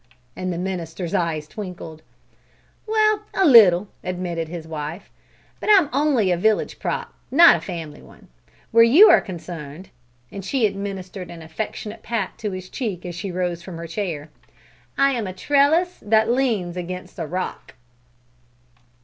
And the minister's eye twinkled. "Well, a little!" admitted his wife; "but I'm only a village prop, not a family one. Where you are concerned" and she administered an affectionate pat to his cheek as she rose from her chair "I'm a trellis that leans against a rock!"